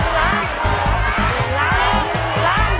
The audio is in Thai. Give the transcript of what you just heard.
มาก